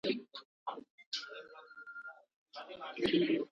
د دې ګروپ عنصرونه د هیلیم څخه پرته اته الکترونونه لري.